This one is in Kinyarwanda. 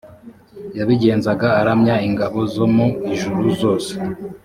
yabigenzaga aramya ingabo zo mu ijuru zose